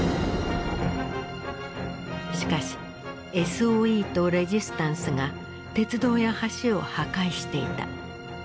しかしＳＯＥとレジスタンスが鉄道や橋を破壊していた。